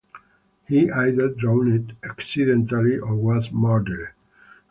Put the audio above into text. He either drowned accidentally or was murdered.